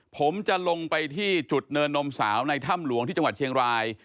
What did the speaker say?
ผมจะลงไปที่จุดเนินนมสาวในถ้ำหลวงที่จังหวัดเชียงราย